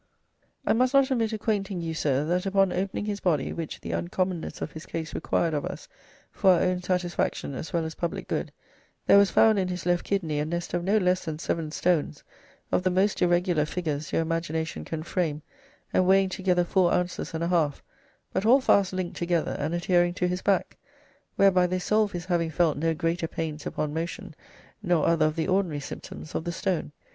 "I must not omit acquainting you, sir, that upon opening his body, (which the uncommonness of his case required of us, for our own satisfaction as well as public good) there was found in his left kidney a nest of no less than seven stones, of the most irregular, figures your imagination can frame, and weighing together four ounces and a half, but all fast linked together, and adhering to his back; whereby they solve his having felt no greater pains upon motion, nor other of the ordinary symptoms of the stone.